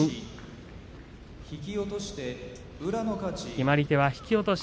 決まり手引き落とし。